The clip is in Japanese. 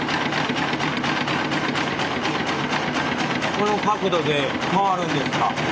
この角度で変わるんですか。